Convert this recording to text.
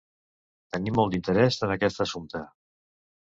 Tenim molt d’interès en aquest assumpte.